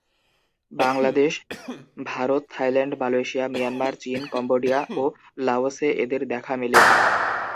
Bangladesh, Bharat, Thailand, Malaysia, Myanmar, চীন, Cambodia ও লাওসে এদের দেখা মেলে।